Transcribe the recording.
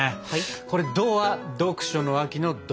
これ「ド」は読書の秋の「ド」。